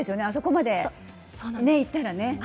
あそこまでいったら。